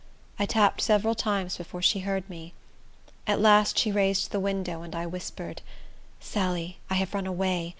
I tapped several times before she heard me. At last she raised the window, and I whispered, "Sally, I have run away.